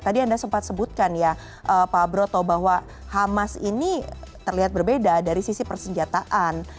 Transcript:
tadi anda sempat sebutkan ya pak broto bahwa hamas ini terlihat berbeda dari sisi persenjataan